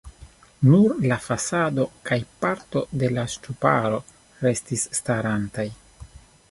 Nur la fasado kaj parto de la ŝtuparo restis starantaj.